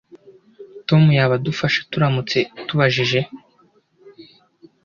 Tom yaba adufasha turamutse tubajije